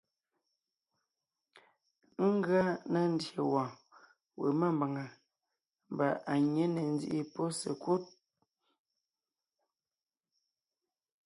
Ngʉa na ndyè wɔ̀ɔn we mámbàŋa mbà à nyě ne ńzíʼi pɔ́ sekúd.